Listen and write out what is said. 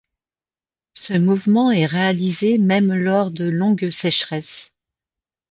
Ce mouvement est réalisé même lors de longues sécheresses.